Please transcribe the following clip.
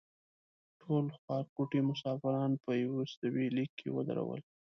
ټول خوارکوټي مسافران په یوستوي لیک کې ودرول.